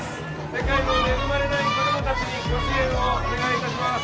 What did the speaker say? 世界の恵まれない子供たちにご支援をお願いいたします